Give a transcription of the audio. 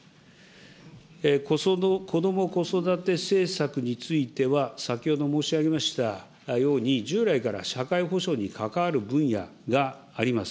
こども・子育て政策については、先ほど申し上げましたように、従来から社会保障に関わる分野があります。